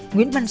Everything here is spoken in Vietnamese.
nguyễn văn quế